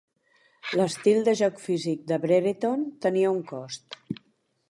L'estil de joc físic de Brereton tenia un cost.